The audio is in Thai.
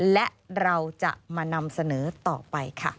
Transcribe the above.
และเราจะมานำเสนอต่อไปค่ะ